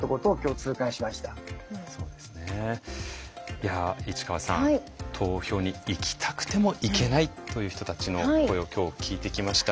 いや市川さん投票に行きたくても行けないという人たちの声を今日聞いてきました。